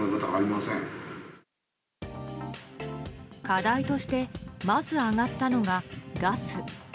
課題としてまず挙がったのが、ガス。